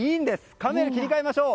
カメラ、切り替えましょう。